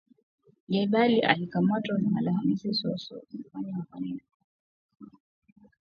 Jebali alikamatwa Alhamis huko Sousse mji wa pwani kusini wa mji mkuu wa Tunis kwa tuhuma za utakatishaji fedha.